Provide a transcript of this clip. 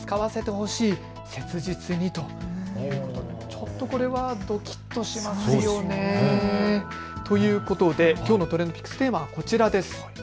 ちょっとこれはどきっとしますよね。ということできょうのＴｒｅｎｄＰｉｃｋｓテーマはこちらです。